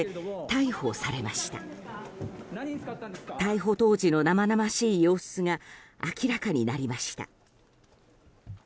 逮捕当時の生々しい様子が明らかになりました。